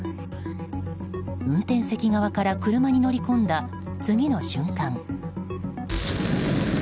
運転席側から車に乗り込んだ次の瞬間。